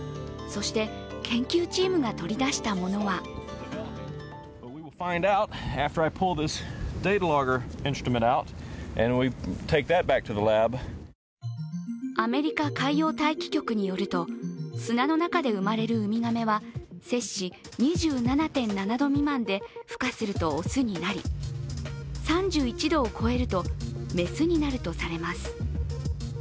そして、研究チームが取り出したものはアメリカ海洋大気局によると砂の中で生まれるウミガメは摂氏２７．７度未満でふ化すると雄になり３１度を超えると雌になるとされます。